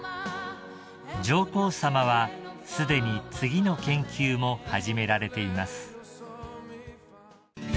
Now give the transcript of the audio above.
［上皇さまはすでに次の研究も始められています］